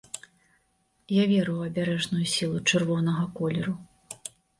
Я веру ў абярэжную сілу чырвонага колеру.